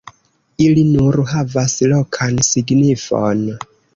Ili nur havas lokan signifon.